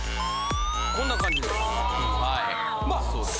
こんな感じです。